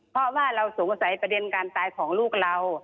เพราะว่าเราสงสัยประเด็นการตายของลูกเรา